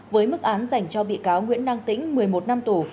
với mức án dành cho bị cáo nguyễn năng tĩnh một mươi một năm tù